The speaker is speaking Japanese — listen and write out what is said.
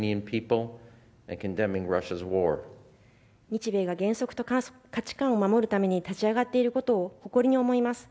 日米が原則と価値観を守るために立ち上がっていることを誇りに思います。